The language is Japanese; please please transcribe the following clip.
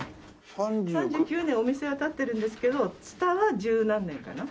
３９年お店は経ってるんですけどツタは十何年かな。